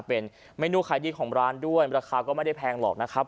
เป็นเมนูขายดีของร้านด้วยราคาก็ไม่ได้แพงหรอกนะครับ